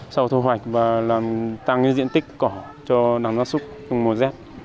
sầu thu hoạch và tăng diện tích cỏ cho đàn gia súc trong mùa dết